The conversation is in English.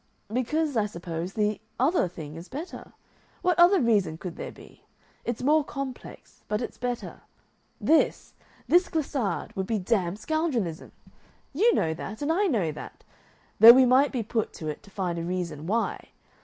"Because, I suppose, the other thing is better. What other reason could there be? It's more complex, but it's better. THIS, this glissade, would be damned scoundrelism. You know that, and I know that, though we might be put to it to find a reason why.